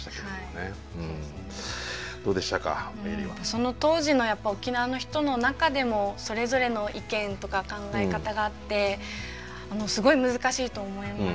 その当時の沖縄の人の中でもそれぞれの意見とか考え方があってすごい難しいと思います。